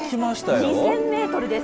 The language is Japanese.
２０００メートルです。